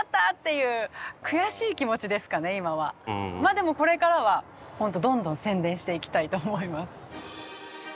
でもこれからは本当どんどん宣伝していきたいと思います。